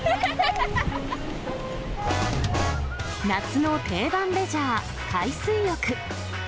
夏の定番レジャー、海水浴。